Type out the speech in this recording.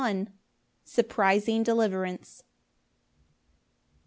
Surprising deliverance.